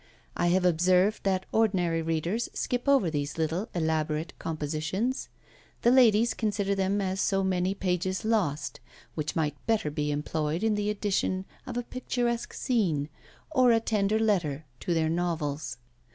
I have observed that ordinary readers skip over these little elaborate compositions. The ladies consider them as so many pages lost, which might better be employed in the addition of a picturesque scene, or a tender letter to their novels.